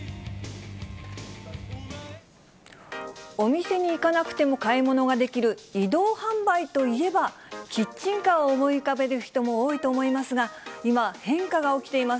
お店に行かなくても買い物ができる移動販売といえば、キッチンカーを思い浮かべる人も多いと思いますが、今、変化が起きています。